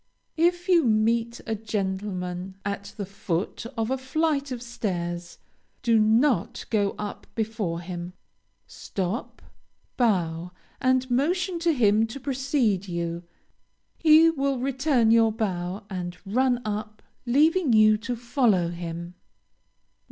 If you meet a gentleman at the foot of a flight of stairs, do not go up before him. Stop, bow, and motion to him to precede you. He will return your bow, and run up, leaving you to follow him.